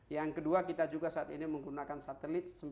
yang kedua kita juga saat ini menggunakan satelit sembilan